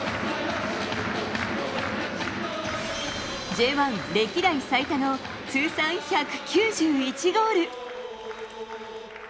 Ｊ１歴代最多の通算１９１ゴール。